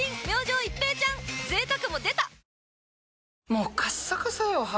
もうカッサカサよ肌。